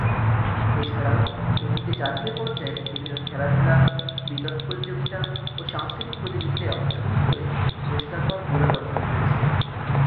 এছাড়াও অতীতে জাতীয় পর্যায়ে বিভিন্ন খেলাধুলা, বিতর্ক প্রতিযোগিতা ও সাংস্কৃতিক প্রতিযোগীতায় অংশগ্রহণ করে পুরস্কার পাওয়ার গৌরব অর্জন করেছে।